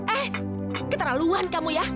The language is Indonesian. eh keterlaluan kamu ya